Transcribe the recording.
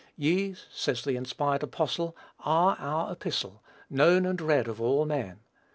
"Ye," says the inspired apostle, "are our epistle, ... known and read of all men."